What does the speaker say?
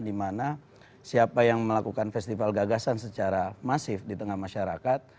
dimana siapa yang melakukan festival gagasan secara masif di tengah masyarakat